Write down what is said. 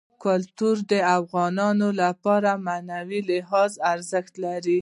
کلتور د افغانانو لپاره په معنوي لحاظ ارزښت لري.